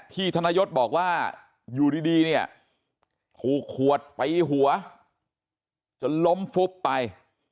ธนยศบอกว่าอยู่ดีเนี่ยถูกขวดตีหัวจนล้มฟุบไป